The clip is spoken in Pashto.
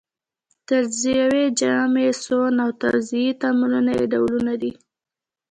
تجزیوي، جمعي، سون او تعویضي تعاملونه یې ډولونه دي.